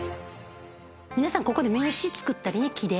皆さんここで名刺作ったりね木で。